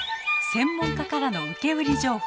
専門家からの受け売り情報。